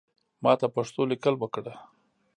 ماته پښتو لیکل اوکړه